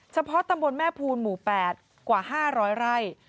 เฉพาะตำบลแม่ภูลหมู่๘กว่า๕๐๐ไร่